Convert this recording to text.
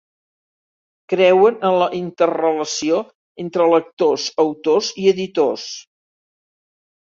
Creuen en la interrelació entre lectors, autors i editors.